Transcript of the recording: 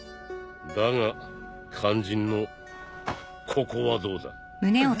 だが肝心のここはどうだ？えっ？